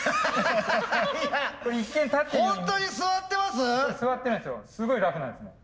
すごい楽なんですね。